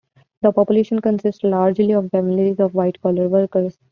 The population consists largely of families of white collar workers.